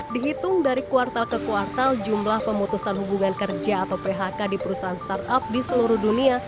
dihitung dari kuartal ke kuartal jumlah pemutusan hubungan kerja atau phk di perusahaan startup di seluruh dunia